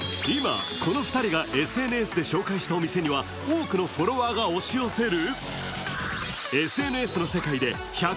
今この２人がＳＮＳで紹介したお店には多くのフォロワーが押し寄せる。